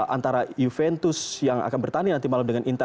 antara juventus yang akan bertanding nanti malam dengan intan